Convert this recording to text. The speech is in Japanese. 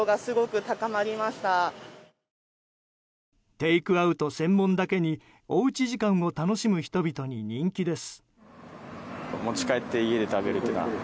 テイクアウト専門だけにおうち時間を楽しむ人々に人気です。